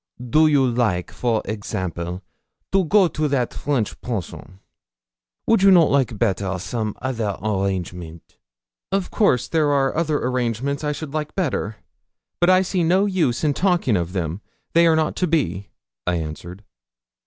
'Do you like, for example, to go to that French Pension? Would you not like better some other arrangement?' 'Of course there are other arrangements I should like better; but I see no use in talking of them; they are not to be,' I answered.